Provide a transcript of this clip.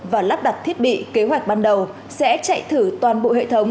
và lắp đặt thiết bị kế hoạch ban đầu sẽ chạy thử toàn bộ hệ thống